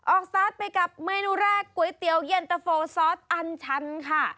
ซอสไปกับเมนูแรกก๋วยเตี๋ยวเย็นตะโฟซอสอันชันค่ะ